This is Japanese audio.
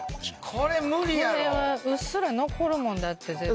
これはうっすら残るもんだって絶対。